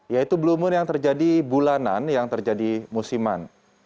yaitu blue moon yang terjadi bulanan yang terjadi musiman